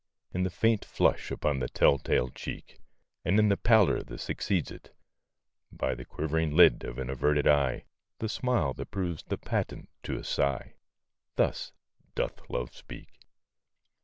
In the faint flush upon the tell tale cheek, And in the pallor that succeeds it; by The quivering lid of an averted eye The smile that proves the patent to a sigh Thus doth Love speak.